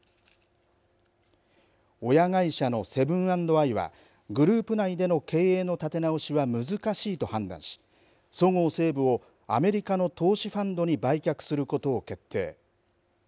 親会社のセブン＆アイはグループ内での経営の立て直しは難しいと判断しそごう・西武をアメリカの投資ファンドに売却することを決定。